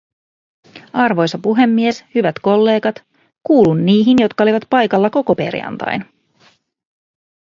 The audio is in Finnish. Arvoisa puhemies, hyvät kollegat, kuuluin niihin, jotka olivat paikalla koko perjantain.